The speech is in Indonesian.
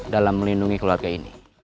dalam melindungi keluarga ini